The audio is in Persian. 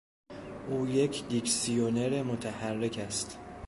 او یک دیکسیونر متحرک است!